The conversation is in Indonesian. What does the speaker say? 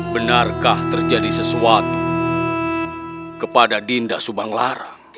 benarkah terjadi sesuatu kepada dinda subang lara